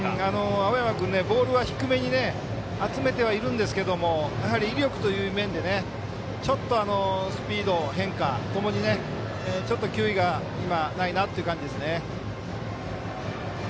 青山君、ボールは低めに集めてはいるんですけどやはり威力という面でちょっとスピード、変化ともに球威がないなという感じですね。